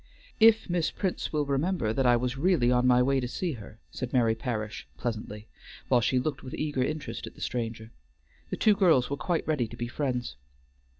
"If Miss Prince will remember that I was really on my way to see her," said Mary Parish pleasantly, while she looked with eager interest at the stranger. The two girls were quite ready to be friends.